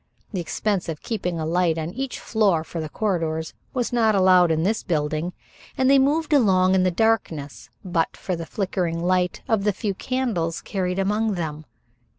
The expense of keeping a light on each floor for the corridors was not allowed in this building, and they moved along in the darkness, but for the flickering light of the few candles carried among them.